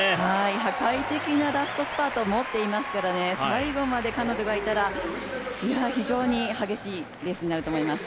破壊的なラストスパートを持っていますから最後まで彼女がいたら、非常に激しいレースになると思います。